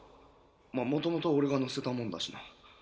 まっもともと俺がのせたもんだしな